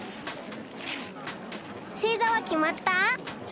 せいざはきまった？